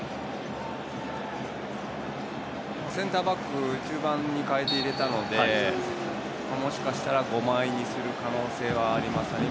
センターバック中盤に代えて入れたのでもしかしたら５枚にする可能性はありますね。